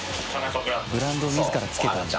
ブランドを自ら付けたんだ。